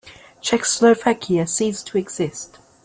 Czechoslovakia ceased to exist.